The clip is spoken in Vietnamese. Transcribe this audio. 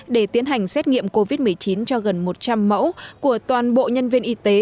để tiến hành xét nghiệm covid một mươi chín cho gần một trăm linh mẫu của toàn bộ nhân viên y tế